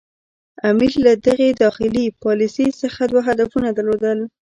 امیر له دغې داخلي پالیسي څخه دوه هدفونه درلودل.